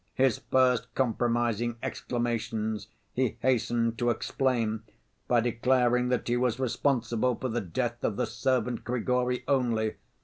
His first compromising exclamations he hastened to explain by declaring that he was responsible for the death of the servant Grigory only.